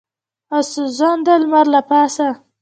او سوځنده لمر له پاسه.